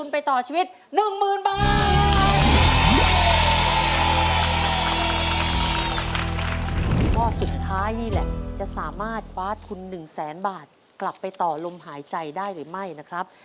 ข้อสุดท้ายนี่แหละจะสามารถคว้าทุน๑แสนบาทกลับไปต่อลมหายใจได้หรือไม่นะครับ